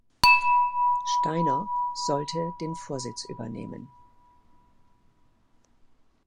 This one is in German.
Steiner sollte den Vorsitz übernehmen.